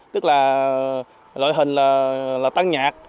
tức là loại hình là tăng nhạc